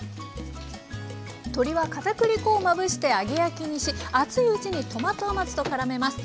鶏はかたくり粉をまぶして揚げ焼きにし熱いうちにトマト甘酢とからめます。